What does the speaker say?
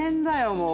もう。